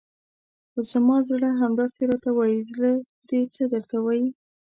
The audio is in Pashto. خو زما زړه همداسې راته وایي، زړه دې څه درته وایي؟